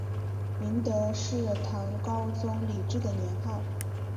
麟德是唐高宗李治的年号。